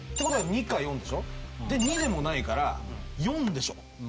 ことは２か４でしょで２でもないから４でしょ